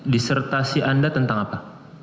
dissertasi anda tentang apa